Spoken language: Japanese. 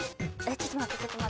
ちょっと待って。